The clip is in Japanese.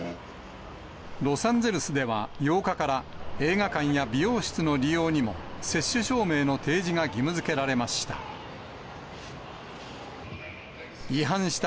ロサンゼルスでは８日から、映画館や美容室の利用にも、接種証明の提示が義務づけられました。